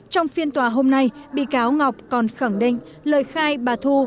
trong phiên tòa hôm nay bị cáo ngọc còn khẳng định lời khai bà thu